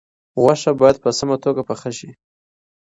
غوښه باید په سمه توګه پاخه شي.